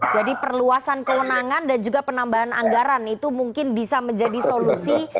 jadi perluasan kewenangan dan juga penambahan anggaran itu mungkin bisa menjadi solusi